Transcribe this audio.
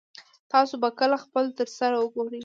تاسو به کله خپل تره سره وګورئ